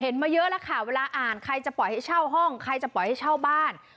มาเยอะแล้วค่ะเวลาอ่านใครจะปล่อยให้เช่าห้องใครจะปล่อยให้เช่าบ้าน